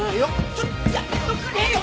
ちょっやめとくれよ！